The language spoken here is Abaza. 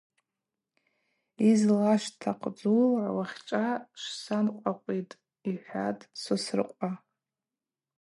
Йызлашвтахъдзула уахьчӏва сшванкъвакъвитӏ,— йхӏватӏ Сосрыкъва.